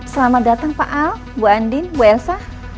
selamat datang pak al bu andin bu elsa